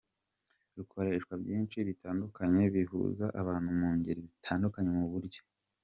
rukoreshwa byinshi bitandukanye bihuza abantu mu ngeri zitandukanye mu buryo